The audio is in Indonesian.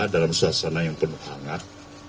dalam suasana yang penuh hangat